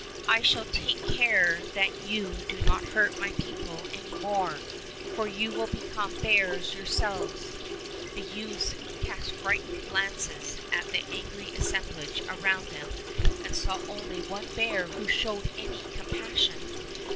I shall take care that you do not hurt my people any more, for you will become bears yourselves." The youths cast frightened glances at the angry assemblage around them and saw only one bear who showed any compassion.